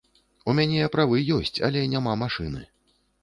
У мяне правы ёсць, але няма машыны.